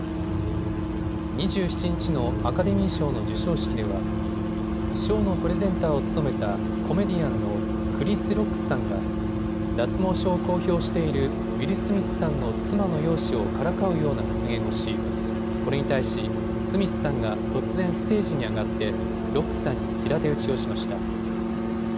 ２７日のアカデミー賞の授賞式では、賞のプレゼンターを務めたコメディアンのクリス・ロックさんが脱毛症を公表しているウィル・スミスさんの妻の容姿をからかうような発言をしこれに対しスミスさんが突然ステージに上がってロックさんに平手打ちをしました。